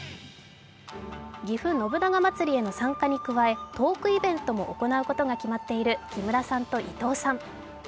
ぎふ信長まつりへの参加に加えトークイベントも行うことが決まっている木村さんと伊藤さん。